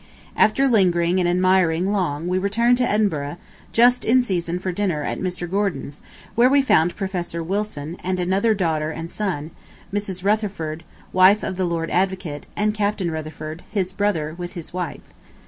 ... After lingering and admiring long we returned to Edinburgh just in season for dinner at Mr. Gordon's, where we found Prof. Wilson, and another daughter and son, Mrs. Rutherford, wife of the Lord Advocate, and Capt. Rutherford, his brother, with his wife.